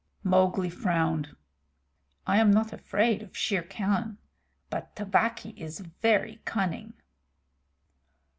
Mowgli frowned. "I am not afraid of Shere Khan, but Tabaqui is very cunning."